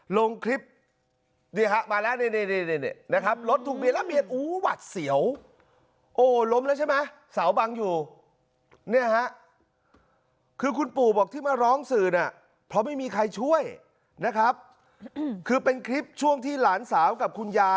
ลงคลิปนี่ครับมาแล้วนี่นะครับ